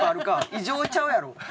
異常ちゃうやろ。